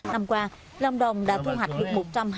năm qua lòng đồng đã thu hoạch được